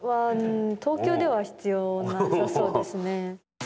東京では必要なさそうですね。